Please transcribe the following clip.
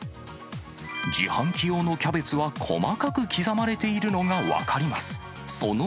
自販機用のキャベツは細かく刻まれているのが分かります。